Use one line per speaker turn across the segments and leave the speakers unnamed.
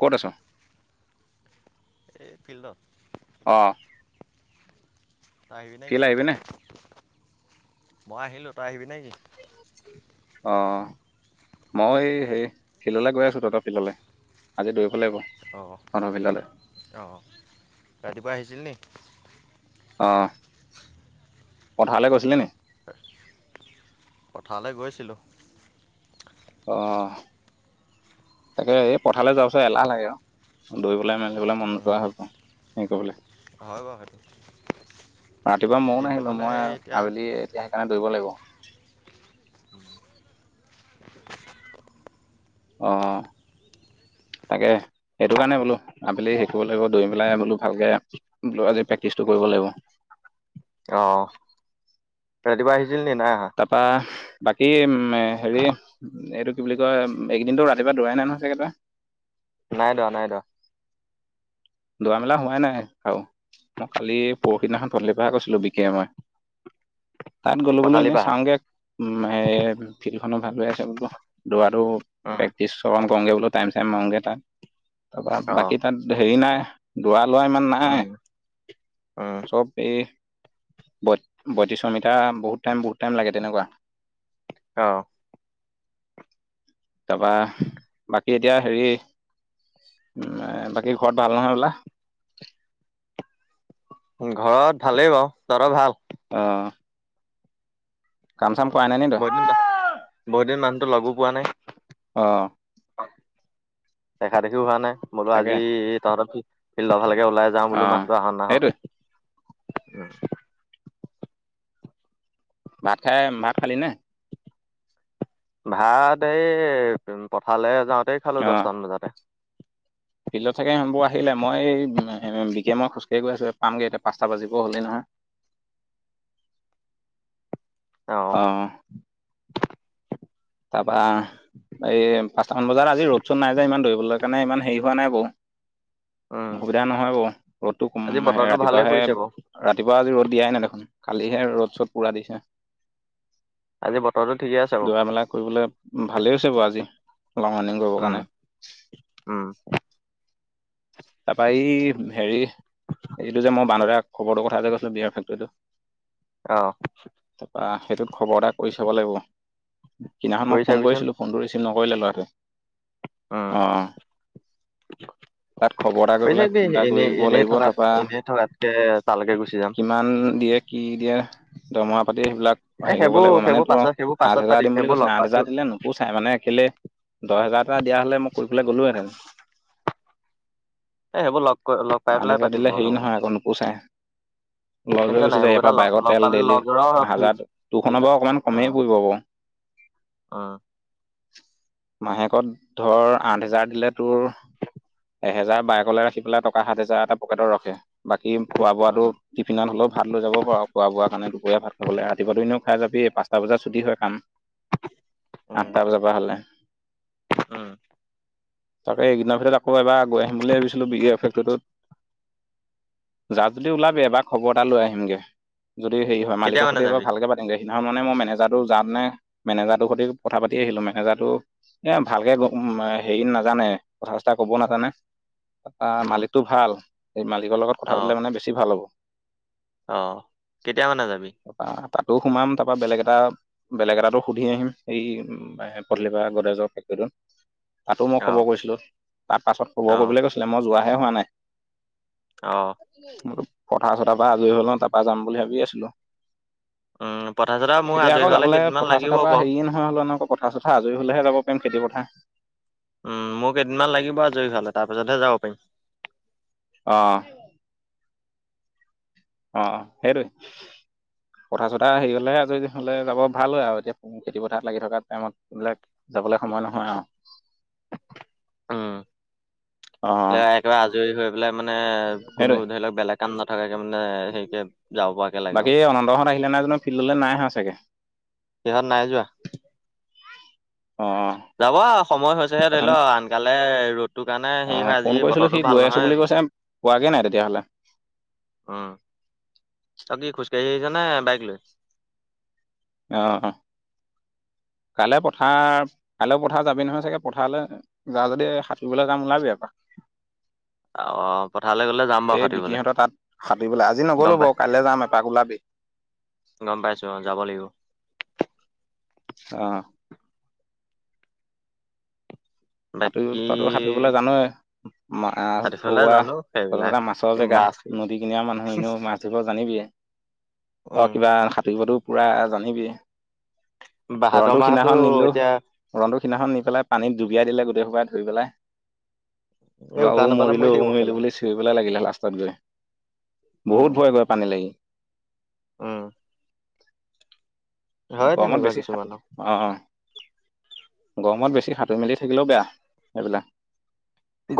ক'ত আছো?
এই ফিল্ডত।
অ।
আহিবি নেকি?
ফিল্ড আহিবিনে?
মই আহিলো তাই আহিবি নেকি?
অ মই হেই ফিল্ডলে গৈ আছো, তহঁতৰ ফিল্ডলে। আজি দৌৰিব লাগিব [unintelligible]
অ ৰাতিপুৱা আহিছিল নি।
অ, পথাৰলৈ গৈছিলি নি?
পথাৰলৈ গৈছিলোঁ।
অ। তাকে এই পথাৰলে যাৱাৰ পিছত এলাহ লাগে ও, দৌৰিবলৈ মেলিবলৈ মন
উম,
নোযোৱা হৈ গ সেই ক'বলে
হয় বাৰু সেইটো।
ৰাতিপুৱা ময়ো
দিনটো
নাহিলো,
মানে
মই
সেই এতিয়া
আবেলি এতিয়া সেইকাৰণে দৌৰিব লাগিব। অ। তাকে সেইটো কাৰণে বোলো, আবেলি শেকিব লাগিব দৰি পেলাই বোলো। ভালকে বোলো আজি প্ৰেক্টিটো কৰিব লাগিব।
অ ৰাতিপুৱা আহিছিল নি, নাই আহা?
তাৰপা বাকী উম হেৰি এইটো কি বুলি কয়, একদিনতো ৰাতিপুৱা দৌৰাই নহয় চাগে তই?
নাই দোৰা, নাই দোৰা।
দৰা-মেলা হোৱাই নাই আৰু, মই কালি পৰোখি দিনাখন পদূলিৰ পৰাে গৈছিলো বিকে মই। তাত গ'লো বোলো
পথালি
এনেই
পাহাৰ
চাওঁগে উ এ ফিল্ডখনো ভাল হৈ আছে বোলো, দোৰটো
উম
প্ৰেক্টিচ [unintelligible] বোলো টাইম-চাইম মাৰংগে তাত, তাৰপৰা
অ
বাকী তাত হেৰি নাই দৰা লোৱা ইমান
উম
নাই
উম
চব এই ব বয়ত্ৰিশ মিটাৰ বহুত টাইম বহুত টাইম লাগে তেনেকুৱা।
অ।
তাৰাপা বাকী এতিয়া হেৰি উ বাকী ঘৰত ভাল নহয় বোলা?
ঘৰত ভালেই বাৰু। তহঁতৰ ভাল?
অ। কাম-চাম কৰাই নাই ন
বহুতদিন, বহুত দিন মানুহতো লগো পোৱা নাই।
অ'।
দেখা দেখিও হোৱা নাই। বোলো
তাকে
আজি তহঁতৰ ফিল্ডৰ ভালেকে ওলাই যাওঁ
অ
বোলো মানুহটো আহক
সেইটোৱে
নাহক। উম।
ভাত খাই, ভাত খালিনে?
ভাত এই পথাৰলে যাওঁতেই খালো
অ
দহটামান বজাতে।
ফিল্ডত থাকি ইমানবোৰ আহিলে, মই বিকি এ মই খোজকাঢ়ি গৈ আছোঁ পামগৈ এতিয়া পাঁচটা বাজিব হ'লেই নহয়। অ'। তাৰ পৰা এই পাঁচটা মান বজাত আজি ৰ'দ চ'দ নাই যে ইমান ধৰিবলৈ কাৰণে ইমান হেৰি হোৱা নাই বাৰু।
উম
অসুবিধা নহয় বাৰু, ৰ'দটো
আজি বতৰটো ভালে
ৰাতিপুৱাহে
পৰিছে বাৰু
ৰাতিপুৱা আজি ৰ'দ দিয়াই নাই দেখোন, কালিহে ৰ'দ চ'দ পুৰা দিছে।
আজি বতৰটো ঠিকে আছে
দৌৰা
বাৰু।
মেলা কৰিবলৈ ভালেই হৈছে বাৰু আজি লং ৰানিং কৰিবৰ
উম
কাৰণে।
উম।
তাৰ পৰা এই হেৰি এইটো যে মই বানৰিয়াক খবৰটোৰ কথা যে কৈছিলো বিয়াৰ ফেক্টৰীটো
অ'।
তাৰপৰা সেইটো খবৰ এটা কৰি চাব লাগিব, সেইদিনাখন
কৰি
মই ফোন
চাবিচোন
কৰিছিলো। ফোনটো ৰিচিভ নকৰিলে ল'ৰাটোৱে,
উম
অ'। তাত খবৰ এটা কৰি পেলাই
চাবি
ফোন এটা
এনেই
কৰিব
এনেই
লাগিব,
থকাত
তাৰপৰা
এনেই থকাতকে তালৈকে গুচি যাম
কিমান দিয়ে, কি দিয়ে, দৰমহা পাতি সেইবিলাক অ',
এ
হেৰি কৰিব
সেইবোৰ
লাগিব মানে
সেইবোৰ
তোৰ
পাছত সেইবোৰ পাছত
আঠ হাজাৰ
পাতিম
দিম বুলি
সেইবোৰ লগ
কৈছিলে,
পা
আঠ হাজাৰ দিলে নো? তাকো চাই মানে কেলে দহ হেজাৰ এটা দিয়া হ'লে মই কৈ পেলাই গ'লোহেঁতেন।
হয়। এ সেইবোৰ লগ লগ পাই
মা
পেলাই
দেউতা
পাতিম
দিলে
বাৰু
হেৰি
সেইবোৰ কথা,
নহয় আকৌ নুপোচাই। লছ হৈ
শুনিছা
গৈছে
নাই
যে
সেইবোৰ
ইয়াৰ
কথা
পৰা
লগ
বাইকৰ
লগ
তেল
পালে
ডেইলি
লগৰ অ অ
হাজাৰ, তোৰখনৰ বাৰু অকমান কমেই পুৰিব বাৰু।
অ'।
মাহেকত ধৰ আঠ হেজাৰ দিলে তোৰ এহেজাৰ বাইকলৈ ৰাখি পেলাই টকা সাত হেজাৰ এটা পকেটত ৰখে, বাকী খোৱা বোৱাটো টিফিনত হ'লেও ভাত লৈ যাব পাৰ খোৱা বোৱা কাৰণে, দুপৰীয়া ভাত খাবলৈ ৰাতিপুৱাটো এনেও খাই যাবি এ পা আঠটা বজাত ছুটি হয় কাম, আঠটা বজাৰ পৰা হ'লে।
অ'।
তাকে এই কেইদিনৰ ভিতৰত আকৌ এবাৰ গৈ আহিম বুলি ভাবিছিলোঁ বি [unintelligible] ফেকটৰীটোত। যা যদি ওলাবি, এবাৰ খবৰ এটা লৈ আহিমগে যদি হেৰি হয়
কেতিয়া
মালিকৰ
মানে
সৈতে এবাৰ
যাবি
ভালকে সেইদিনাখনৰ মানে মই মেনেজাৰটো যাম নে, মেনেজাৰটোৰ সৈতে কথা পাতি আহিলো, মেনেজাৰটো এই ভালকৈ হেৰি নাজানে। কথা ক'ব নাজানে, ত'
উম
মালিকটো ভাল, এই মালিকৰ লগত
অ
কথা পাতিলে মানে বেছি ভাল হ'ব।
অ', কেতিয়া মানে যাবি?
ত'তাতেও সোমাম, তাৰ পৰা বেলেগ এটা বেলেগ এটাতো সুধি আহিম, এই পদূলিৰ পৰা গদজৰ [unintelligible] ফেক্ৰীত তাতো মই
অ
খবৰ কৰিছিলো। তাৰ পাছত খবৰ
অ
কৰিবলৈ কৈছিলে, মই যোৱাহে হোৱা নাই।
অ'।
মইতো পথাৰ চথাৰ পৰা আজৰি হ'ল ন' তাৰ পৰা যাম বুলি ভাবি আছিলো।
উম পথাৰ চথাৰ মোৰ
এতিয়া
আজৰি
আকৌ
হোৱালে
যাবলে
কেইদিনমান
পথাৰ
লাগিব
চথাৰ পৰা
বাৰু
হেৰি নহয় নয় হ'লে এনেক পথাৰ চথাৰ আজৰি হ'লেহে যাব পাৰিম খেতি পথাৰ।
উম, মোৰ কেইদিনমান লাগিব, আজৰি হোৱালে, তাৰ পিছতহে যাব পাৰিম।
অ'। অ', সেইটোৱে পথা চথা হেৰি হ'লে আজৰি হ'লে যাব ভাল হয় আৰু এতিয়া খেতি পথাৰ লাগি থকা টাইমত এইবিলাক যাবলৈ সময় নহয় আৰু।
উম, লে
অ',
একেবাৰে আজৰি হৈ পেলাই মানে কোনো ধৰি লওক বেলেগ। কাম নথকাকে মানে হেৰিকে যাব পৰাকে লাগে আৰু,
অ দহ ৰাচ আহিলেন নাই ফিল্ডলৈ নাই অহা চাগে।
সিহঁত নাই যোৱা।
অ',
যাব আৰু সময় হৈছেহে, ধৰি লওক আনকালে ৰ'দটোৰ কাৰণে
অ
হেৰি হয়
ফোন
আজি
কৰিছিলো সি
বতৰটো
গৈ
ভাল
আছো বুলি
নহয়।
কৈছে পোৱাগে নাই তেতিয়াহ'লে।
উম্, তই কি খোজকাঢ়ি আহিছ নে বাইক লৈ।
অ', কাইলৈ পথাৰ, কাইলৈও পথাৰ যাবি নহয় চাগে পথাৰলৈ। যা যদি সাঁতুৰিবলৈ যাম ওলাবি এপাক।
অ', পথাৰলৈ গ'লে যাম বাৰু
এ
সাঁতুৰিবলে
বিকিহঁতৰ তাত সাতুৰিবলৈ, আজি
গম
নগ'লো
পাই
বাৰু কাইলৈ যাম এপাক ওলাবি।
গম পাইছোঁ অ', যাব লাগিব।
অ', সাঁতুৰিব,
বাকী
তইতো সাঁতুৰিবলৈ জানৱে,
সাঁতুৰিবলে
থৌৱা
জানো
তহঁতৰ
সেইবিলাক
টাত মাছৰ জেগা
মাছ
নদী কিনাৰ মানুহ, এনেও মাছ ধৰিব জানিবিয়ে। অ',
উম,
কিবা সাঁতুৰিবতো পুৰা জানিবিয়ে।
বাহাদৰ
ৰন্টুক
মাহতো
সিদিনাখন নিলো,
এতিয়া
ৰন্টুক সিদিনাখন নি পেলাই পানীত ডুবিয়াই দিলে গোটেই সোপাই ধৰি পেলাই।
এই
মা
উশাহ
অ',
নাপালে মৰি
মৰিলো অ',
থাকিব
মৰিলো
কেলা
বুলি চিয়ৰিবলৈ লাগিলে লাষ্টত গৈ, বহুত ভয় কৰে পানীলে সি।
উম্, হয়
গৰমত
তেনেকুৱা
বেছি সাতুৰি
কিছুমানৰ।
অ', গৰমত বেছি সাঁতুৰি মেলি থাকিলেও বেয়া,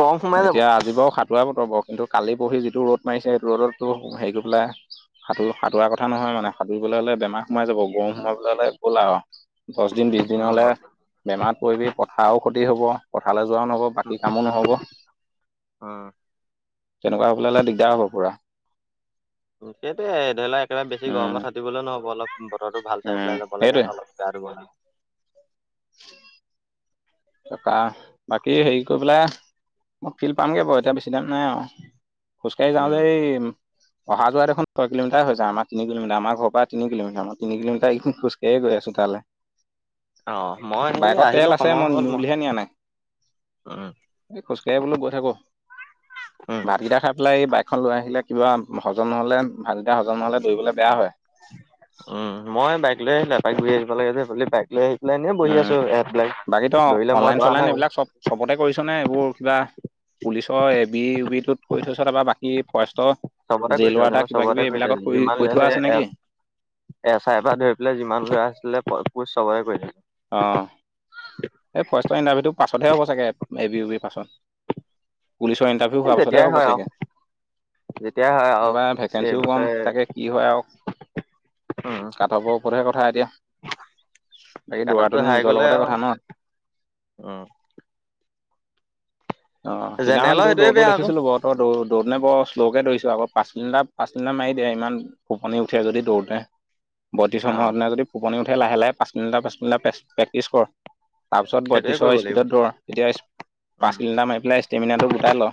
গৰম সোমাই যাব।
এতিয়া আজি বাৰু সাতু তুৰা বতৰ বাৰু কিন্তু কালি পৰশি যিটো ৰ'দ মাৰিছে, সেইটো ৰ'দতো টোৰ হেৰি কৰি পেলাই। সাঁতোৰ সাঁতোৰা কথা নহয় মানে সাঁতুৰিবলৈ হ'লে বেমাৰ সোমাই যাব গৰম। মৰিবলে হ'লে গ'ল আৰু দহ দিন বিশ
উম,
দিনলে বেমাৰত পৰিবি পথাৰো ক্ষতি হ'ব, পথাৰলৈ যোৱাও নহ'ব। বাকী কামো নহ'ব,
উম।
তেনেকুৱা হ'বলে হ'লে দিগদাৰ হ'ব পুৰা।
সেইটোয়ে ধৰি ল, একেবাৰে বেছি
উম,
গৰমত সাতুৰিবলৈ নহ'ব অলপ বতৰটো ভাল চাই
উম,
পেলাই যাব লাগে
সেইটোৱে
অলপ। গা ধুবলে।
উম্, তাৰপা, বাকী হেৰি কৰি পেলাই মই ফিল্ড পামগে বাৰু এতিয়া বেছি টাইম নাই আৰু খোজকাঢ়ি যাওঁতে
উম,
এই। অহা যোৱা দেখোন ছয় কিলোমিাৰ হৈ যায়, আমাৰ তিনি কিলোমিটাৰ আমাৰ ঘৰৰ পৰা তিনি কিলোমিটাৰ আমাৰ তিনি কিলোমিটাৰ দেখোন খোজকাঢ়ি গৈছো তালৈ।
অ', মই এই আহিলো, সময় হ'ল।
উলিয়াই নিয়া নাই।
উম্,
এই খোজকাঢ়ি বোলো গৈ থাকো,
উম,
ভাতকেইটা খাই এইফালে এই বাইকখন লৈ আহিলে কিবা হজম নহ'লে ভাত কেইটা হজম নহ'লে, দৌৰিবলৈ বেয়া হয়।
উম্, মই বাইক লৈ আহিলোঁ, এপাক ঘূৰি আহিব লাগে যে সেইফালেদি বাইক লৈ আহ এনেই বহি
উম
আছো,
বাকী তই
এবিলাইক দৰিলে মই
অনলাইন
দৰা
চনলাইন
নাই বাৰু।
এইবিলাক চব চবতে কৰিছ নে এইবোৰ কিবা। পুলিচৰ এবি বি, ইউ বি কৈ থৈছ নে, তাৰপৰা বাকী ফৰেষ্টৰ।
চবতে কৰি থৈ
জেইল
আহিছোঁ মই
ৱাটাৰ কিবা
চবতে
কিবি
কৰি
এইবিলাকত কৰি থোৱা আছে নেকি?
এচ আই পৰা ধৰি পেলাই যিমান বিলাক আছিলে, সেইবোৰ চবৰে কৰিলোঁ।
অ'। এই ফাষ্টৰ ইণ্টাৰভিউটো পাছত হে হ'ব চাগে, এ বি ইউ বিৰ পাছত পুলিচৰ ইণ্টাৰভি হেইটো
এই
হোৱাৰ পাছহে
যেতিয়াই
হ'ব
হয় আৰু
চাগে।
যেতিয়াই হয় আৰু
এইবাৰ
এই
ভেকেঞ্চিও কম
বছৰে
তাকে কি হয় আৰু।
উম,
কাঠপৰ ওপৰতহে কথা এতিয়া। বাকী
কাটঅফটো
দৰাটোতো
হাই
নিজৰ
গ'লে
লগতে
আৰু
কথা ন'।
উম।
অ' সিদিনাখন
জেনেৰেলৰ
তোৰ
সেইটোৱে
দৌৰতো
বেয়া আকৌ
দেখিছিলোঁ বাৰুত। তই দৌৰ দৌৰ নাপাওঁ শ্ল'কে দৌৰিছ আকৌ, পাঁচ কিলোমিটাৰ পাঁচ কিলোমিটাৰ মাৰি দে। ইমান টোপনি উঠে যদি দৌৰোতে। বত্ৰিছ
অ',
সময়তনা যদি ফপনি উঠে লাহে লাহে পাঁচ মিনিট, পাঁচ মিনিট প্ৰেক্টিছ কৰ। তাৰপিছত
সেইটোৱে কৰিব
বয়ত্ৰিশৰ
লাগিব।
স্পীডত দৌৰ। তেতিয়া
উম,
ফিল্টাৰ মাৰি পেলাই ষ্টেমিনাটো গোটাই ল'।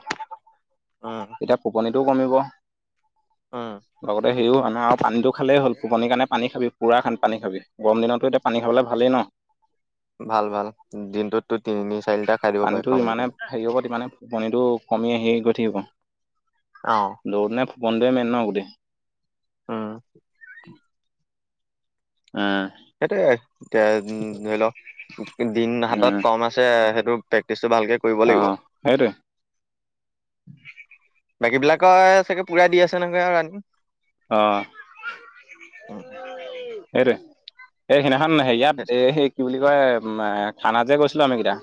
উম,
তেতিয়া ফোপনিটোও কমিব।
উম।
লগতে হেৰিও আনৰ আৰু পানীটো খালেই হ'ল, টোপনি কাৰণে পানী খাবি, পুৰা পানী খাবি। গৰম দিনতো এতিয়া পানী খালে ভালেই ন'।
ভাল ভাল। দিনটোত তোৰ তিনি চাৰি লিটাৰ খাই দিব পাৰি
পানীটো
খাওঁ বুলি
যিমানে
ক'লে।
হেৰি হ'ব মানে টোপনিটো কমি আহি গৈ থাকিব।
অ',
দৌৰনেফ বন্ধই মেন ন' গোটেই
উম,
উম।
সেইটোৱে। এতিয়া ধৰি ল দিন হাতত
উম
কম আছে সেইটো প্ৰেক্টিচটো ভালকে কৰিব
অ
লাগিব।
সেইটোৱে
বাকীবিলাকৰ চাগে পুৰা দি আছে নহয় আৰু ৰানিং।
অ'। সেইটোৱে। এই সেইদিনাখন হেৰিয়াত এ, সেই কি বুলি কয় খানাত যে গৈছিলোঁ আমিকেইটা।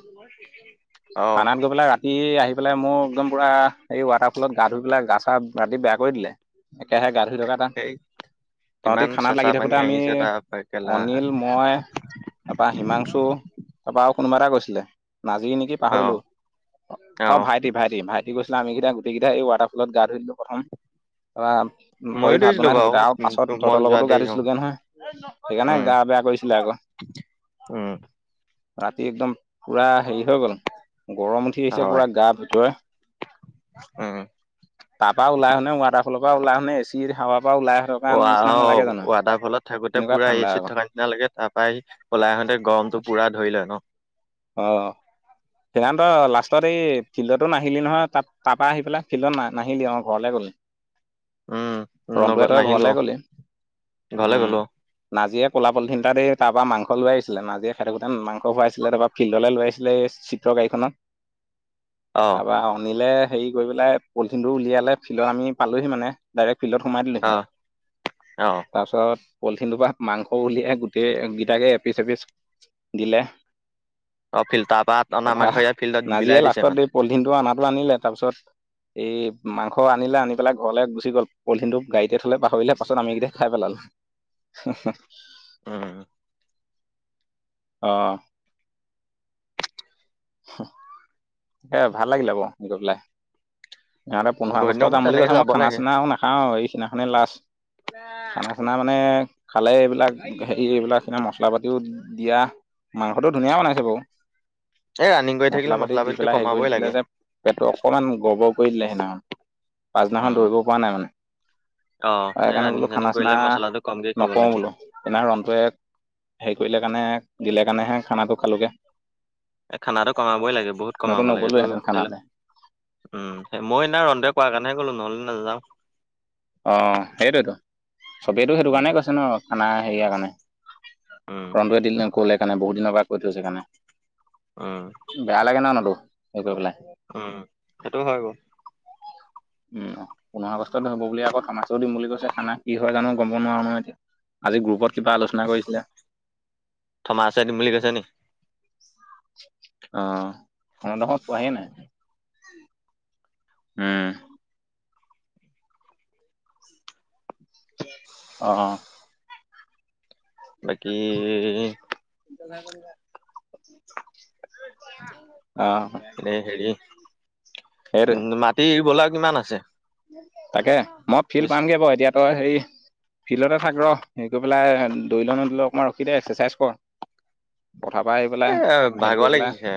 অ',
খানাবিলাক বোলা ৰাতি আহি পেলাই মোৰ একদম পুৰা এই ৱাটাৰফলত গা ধুই পেলাই গা চা ৰাতি বেয়া কৰি দিলে। একেহে গা ধুই থকা টাইম।
সেই
তহঁতি
কিমান
খানাত
চেঁচা
লাগি
পানী
থাকোঁতে আমি
আহিছে তাৰ কেলা
অনিল, মই তাৰপা হিমাংশু, তাৰপা আৰু কোনোবা এটা গৈছিলে নাজিৰ নেকি। পাহৰিলোঁ।
অ',
অ' ভাইটি। ভাইটি। ভাইটি গৈছিলে আমিকেইটা গোটেইকেইটা এই ৱাটাৰফলত গা ধুই ললোঁ প্ৰথম বা তই
ময়ো
ভাত
দৌৰিছিলোঁ
বনাই
বাৰু
থাকোতে। আৰু পাছত
মই
তহঁতৰ
যোৱা
লগতো গা
দেৰি
ধুই
অ',
দিছিলোগে নহয়। সেইকাৰণে
উম,
গা বেয়া কৰিছিলে আকৌ।
উম,
ৰাতি একদম পুৰা হেৰি হৈ গ'ল গৰম উঠি উঠি গৈছে
হয়,
পুৰা গাৰ ভিতৰে।
উম।
তাৰপা ওলাই আহোঁতে, ৱাটাৰফলৰপৰা ওলাই আহোঁতে এচিৰ হাৱা
অ' আ, ৱাটাৰফলত থাকোঁতে
কেনেকুৱা
পুৰা
ঠাণ্ডা
এচিত
আকৌ
থকা না লাগে তাৰ পৰা সি ওলাই আহোঁতে গৰমটো পুৰা ধৰি লয় ন'?
অ', অ'। সিহন্ত লাষ্টত এই ফিল্ডতো নাহিলি নহয় তাত তাৰপা আহি পেলাই ফিল্ডত না-নাহিলি অ' ঘৰলৈ গ'ল ই।
উম নগ
ৰন্তুহঁতৰ
নাহিলো
ঘৰলে
অ
গলি
ঘৰলে
উম।
গ'লো
নাজিয়ে কলা পলিথিন এটা দি তাৰপৰা মাংস লৈ আহিছিলে। নাজিয়ীয়ে খাই থাকোঁতে মাংস খুৱাইছিলে তাৰপা ফিল্ডলৈ লৈ আহিছিলে এই চিট্ৰৰ গাড়ীখনত,
অ
তাৰপা অনিলে হেৰি কৰি পেলাই পলিথিনটো উলিয়ালে ফিল্ডত, আমি পালোঁহি মানে। ডাইৰেক্ট ফিল্ডত সোমাই দিলেহি।
অ অ
তাৰপিছত পলিথিনটোপা মাংস উলিয়াই গোটেইকেইটাকে এপিচ এপিচ দিলে।
অ' ফিল্টাৰপাত অনা
তাৰপৰা
মাংস ইয়াত ফিল্ডত
নাজিয়ে
বিলাই দিছে
লাষ্টত
মানে।
এই পলিথিনটো আনাটো আনিলে তাৰপিছত এই মাংস আনিলে আনি পেলাই ঘৰলৈ গুচি গ'ল, পলিথিনটো গাড়ীতে থলে পাহৰিলে পাছত আমিকেইটা খাই পেলালোঁ।
উম
অঁ হেয়া ভাল লাগিলে বৌ গৈ পেলাই সিহঁতে পোন্ধৰ
বহুত
আগষ্ট
দিনৰ মূৰত
যাম বুলি
তেনেকে
কৈছে মই
যাব
খানা
লাগে
চানাও নাখাওঁ সেইদিনাখনেই লাষ্ট খানা চানা মানে খালে এইবিলাক হেৰি এইবিলাক স মচলা পাতিও দিয়া মাংসটো ধুনীয়া বনাইছে বাৰু
এই ৰানিং কৰি
মছলা
থাকিলে
পাতি দি
পাতিটো
পেলাই হেৰি
কমাবই
কৰি
লাগে
দিলে যে পেটটো অকণমান গৰবৰ কৰি দিলে সেইদিনাখন পাছদিনাখন
উম
দৌৰিব পৰা নাই মানে অ
এই
সেইকাৰণে
ৰানিং
বোলো
চানিং
খানা চানা
কৰিলে মছলাটো কমকে খাব
নকওঁ
লাগে
বোলো ৰনটোৱে হেৰি কৰিলে কাৰণে দিলে কাৰণে হে খানাটো খালোগে
খানাটো কমাবই লাগে বহুত
নতুন
কমাব লাগে এইটো
নগ'লোহেঁতেন
ল
খানালে
উম সেই মই এনে ৰন্টুতোৱে কোৱাৰ কাৰণেহে গ'লো নহলে নাযাওঁ
অ সেইটোৱতো চবেইটো সেইটো
উম
কাৰণে কৈছে ন খানা হেৰিয়াৰ কাৰণে
উ
ন্টুৱে এ ক'লে সেইকাৰণে বহু দিনৰ পৰা কৈ থৈছে কাৰনে
উম
বেয়া লাগে ন নতো স কৰি পেলাই
উম সেইটো হয় বাৰু
উম পোন্ধৰ আগষ্টতে হব বুলি আকৌ থানেচও দিম বুলি কৈছে খানা কি হয় জানো কব নোৱাৰো নহয় এতিয়া আজি গ্ৰুপত কিবা আলোচনা কৰিছিলে আহ
থমাছে দিম বুলি কৈছে নি
অনেহ থোৱাহিয়ে নাই উম অ অ
বাকী
অ
এনে হেৰি
সেইটোৱে
উ মাটিৰ ৰুবলৈ কিমান আছে
তাকে মই ফিল্ড
বেছি
পামগে বাৰু এতিয়া তই হেৰি ফিল্ডতে থাক ৰহ হেৰি কৰি পেলাই দৰিলেও নদৰিলেও অকণমান ৰখি দে এক্সাৰচাইজ কৰ পথাৰৰ পৰা আহি
এ
পেলাই হেৰি
ভাগৰ
কৰি
লাগিছে
পেলাই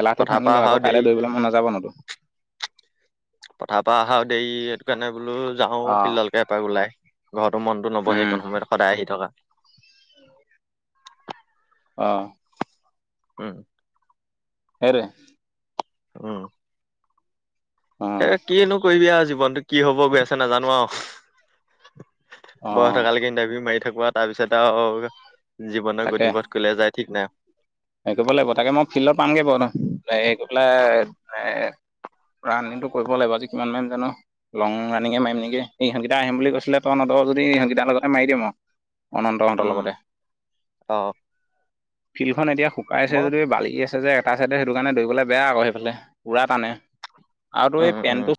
এলাহটো
পথাৰ
ভাঙি
পৰা
ল
অহাও
আকৌ
দেৰি
কাইলৈ দৰিবলৈ মন নাযাব নহয়
পথাৰ পৰা অহা দেৰি সেইটো কাৰণে বোলো যাও
অ'।
ফিল্ডলৈকে এপাক ওলাই ঘৰৰতো মনটো নবহে
উম,
কোনো সময়ত সদায় আহি থকা
অ
উম
হেটো
অ এ
অ',
কিনো কৰিবি আৰু জীৱনটো কি হব গৈ আছে নাজানো আৰু বয়স
অ',
থকালৈকে ইন্টাৰভিউ মাৰি থাকো তাৰপিছতে আৰু জীৱনৰ গতিবধ কলৈ যায় ঠিক নাই
এই কৰিব লাগিব তাকে মই ফিল্ডত পামগৈ বাৰু পেলাই ৰানিংটো কৰিব লাগিব আজি কিমান মান জানো লং ৰাণনিঙে মাৰিম নেকি এই ইহতগিতা আহিম বুলি কৈছিলে তই নদৰ যদি ইহতগিতাৰ লগতে মাৰি দিম আৰু অনন্ত হতৰ
উম
লগতে
অ
ফিল্ডখন এতিয়া পাইছে
মই
যদি বালি আছে যে এটা চাইডে সেইটো কাৰনে দৰিবলে বেয়া আক সেইফালে পুৰা টানে আৰুটো এই
উম উম
পেনটো